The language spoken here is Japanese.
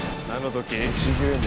何の時？